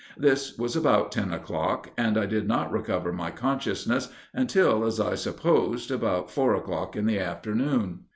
This was about ten o'clock, and I did not recover my consciousness until, as I supposed, about four o'clock in the afternoon.